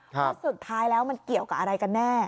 ว่าสุดท้ายแล้วมันเกี่ยวกับอะไรกันแน่